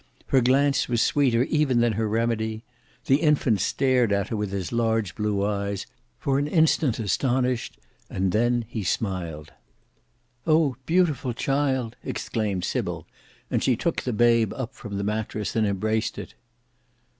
Her glance was sweeter even than her remedy; the infant stared at her with his large blue eyes; for an instant astonished, and then he smiled. "Oh! beautiful child!" exclaimed Sybil; and she took the babe up from the mattress and embraced it.